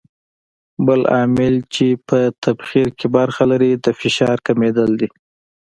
بل عامل چې په تبخیر کې برخه لري د فشار کمېدل دي.